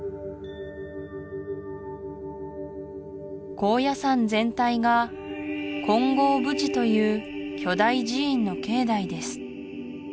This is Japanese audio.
高野山全体が金剛峯寺という巨大寺院の境内です